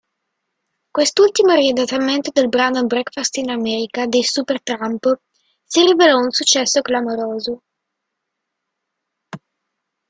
Quest'ultimo, riadattamento del brano "Breakfast in America" dei Supertramp, si rivelò un successo clamoroso.